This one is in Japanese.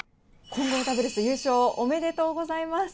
混合ダブル優勝おめでとうございます。